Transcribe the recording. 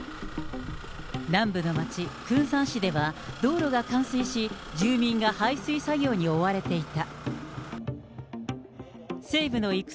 南部の町、クンサン市では、道路が冠水し、住民が排水作業に追われていた。